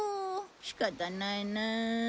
仕方ないなあ。